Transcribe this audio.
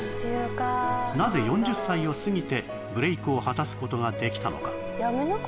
なぜ４０歳を過ぎてブレイクを果たすことができたのか？